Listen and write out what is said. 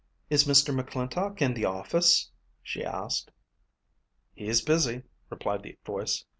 "Is Mr. McClintock in the office?" she asked. "He's busy," replied the voice.